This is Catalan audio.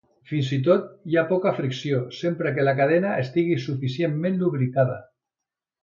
Fins i tot hi ha poca fricció, sempre que la cadena estigui suficientment lubricada.